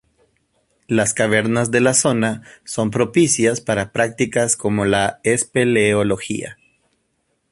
Las cavernas de la zona son propicias para prácticas como la espeleología.